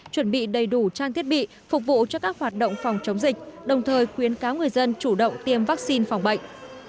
chuẩn bị đầy đủ trang thiết bị phục vụ cho các hoạt động phòng chống dịch đồng thời khuyến cáo người dân chủ động tiêm vaccine phòng bệnh